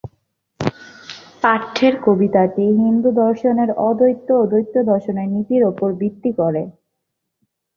পাঠ্যের কবিতাটি হিন্দু দর্শনের অদ্বৈত ও দ্বৈত দর্শনের নীতির উপর ভিত্তি করে।